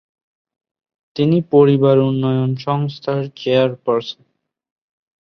তিনি পরিবার উন্নয়ন সংস্থার চেয়ারপার্সন।